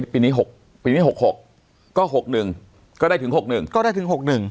ปีนี้๖ปีนี้๖๖ก็๖๑ก็ได้ถึง๖๑ก็ได้ถึง๖๑